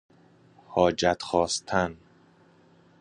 حاجت خواستن